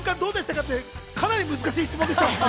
ってかなり難しい質問でしたね。